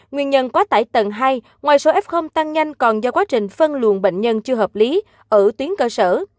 nguyên nhân quá tải tầng hai ngoài số f tăng nhanh còn do quá trình phân luận bệnh nhân chưa hợp lý ở tuyến cơ sở